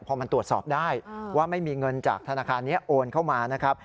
พอมันตรวจสอบได้ว่าไม่มีเงินจากธนาคารนี้โอนเข้ามานะครับ